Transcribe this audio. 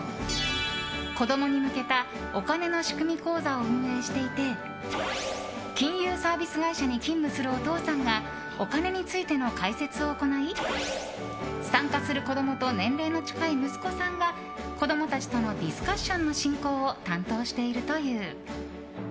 子供に向けたお金の仕組み講座を運営していて金融サービス会社に勤務するお父さんがお金についての解説を行い参加する子供と年齢の近い息子さんが子供たちとのディスカッションの進行を担当しているという。